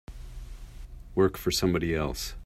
Work for somebody else.